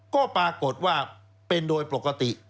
ก็ปรากฏว่าเป็นโดยปกติ